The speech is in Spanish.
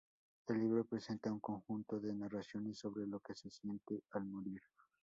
El libro presenta un conjunto de narraciones sobre lo que se siente al morir.